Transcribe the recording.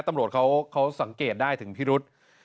ตำรวจเขาสังเกตได้ถึงพิรุษ